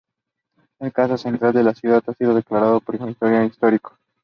El casco central de la ciudad ha sido declarado patrimonio histórico.